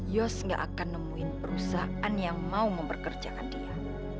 yos tidak akan menemukan perusahaan yang mau memperkerjakan dia